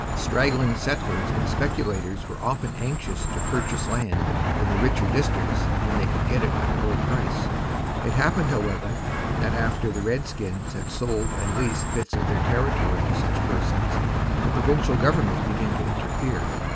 Straggling settlers and speculators were often anxious to purchase land in the richer districts when they could get it at a low price. It happened, however, that after the redskins had sold and leased bits of their territory to such persons, the provincial government began to interfere.